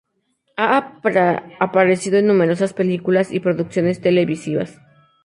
Ha aparecido en numerosas películas y producciones televisivas.